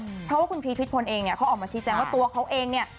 เพราะว่าคุณพีชพิษพลเองเนี่ยเขาออกมาชี้แจงว่าตัวเขาเองเนี่ย